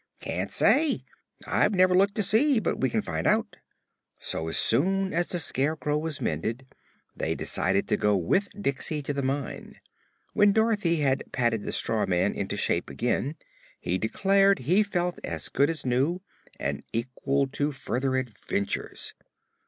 "Can't say; I've never looked to see. But we can find out." So, as soon as the Scarecrow was mended, they decided to go with Diksey to the mine. When Dorothy had patted the straw man into shape again he declared he felt as good as new and equal to further adventures.